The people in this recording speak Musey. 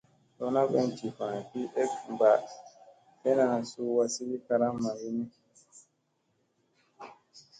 Lona ɓeŋ jiffa ki ek ɓa slena suu wazi karam wini.